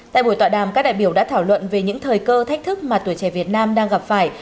tại buổi tọa đàm các đại biểu đã thảo luận về những thời cơ thách thức mà tuổi trẻ việt nam đang gặp phải